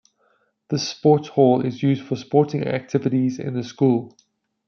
This sports hall is used for sporting activities in the school.